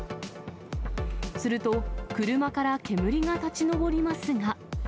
すると、車から煙が立ち上りますが。